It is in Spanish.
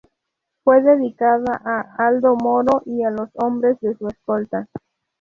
Fue dedicada a Aldo Moro y a los hombres de su escolta.